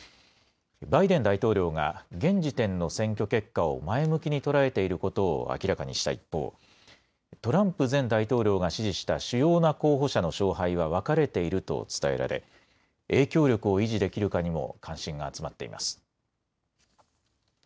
バイデン大統領が現時点の選挙結果を前向きに捉えていることを明らかにした一方、トランプ前大統領が支持した主要な候補者の勝敗は分かれていると伝えられ影響力を維持できるかにも関心が集まっています。